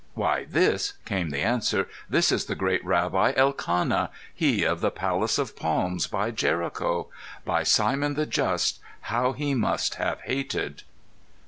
"Why, this" came the answer "this is the great Rabbi Elkanah, he of the Palace of Palms, by Jericho. By Simon the Just, how he must have hated!"